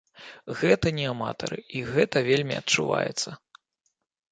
Гэта не аматары, і гэта вельмі адчуваецца.